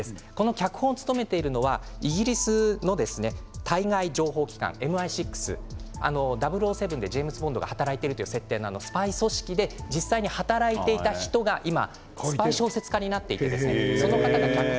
脚本を務めているのはイギリスの対外情報機関ＭＩ６「００７」のジェームズ・ボンドが働いているというスパイ組織で実際に働いていた人が実際にスパイ小説家になっているんです。